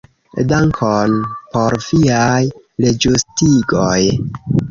Dankon por viaj reĝustigoj.